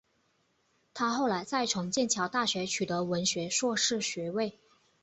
她后来再从剑桥大学取得文学硕士学位。